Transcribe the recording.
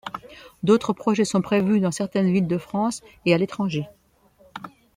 D'autres projets sont prévus dans certaines villes de France et à l'étranger.